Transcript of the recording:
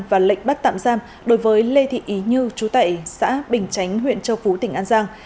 và lệnh bắt tạm giam đối với lê thị ý như chú tại xã bình chánh huyện châu phú tỉnh an giang